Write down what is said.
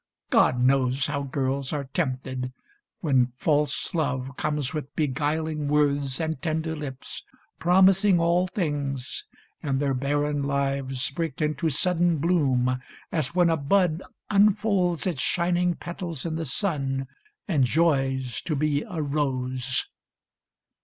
— God knows how girls are tempted when false love Comes with beguiling words and tender lips, Promising all things, and their barren lives Break into sudden bloom as when a bud Unfolds its shining petals in the sun And joys to be a rose